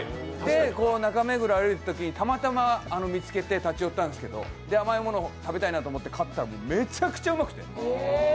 中目黒を歩いてたときにたまたま見つけて立ち寄ったんですけど甘いものを食べたいなと思って買ったらめちゃくちゃうまくて。